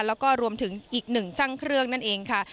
แล้วก็รวมถึงอีกหนึ่งช่างเครื่องนั่นเองค่ะ